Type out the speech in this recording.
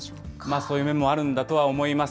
そういう面もあるんだとは思います。